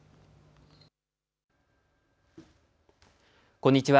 こんにちは。